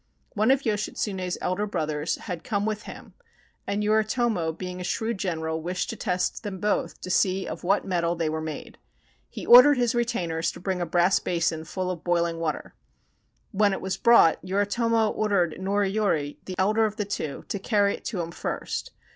One of Yoshitsune's elder brothers had come with him, and Yoritomo being a shrewd general wished to test them both to see of what mettle they were made. He ordered his retainers to bring a brass basin full of boiling water. When it was brought, Yoritomo ordered Noriyori, the elder of the two, to carry it to him first.